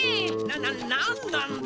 ななんなんだ？